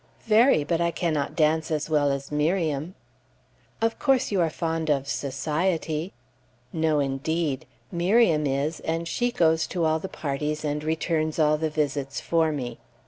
"Very; but I cannot dance as well as Miriam." "Of course, you are fond of society?" "No, indeed! Miriam is, and she goes to all the parties and returns all the visits for me."